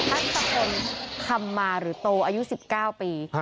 พักกับคนคำมาหรือโตอายุ๑๙ปี